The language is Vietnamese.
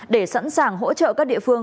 để sẵn sàng hỗ trợ các địa phương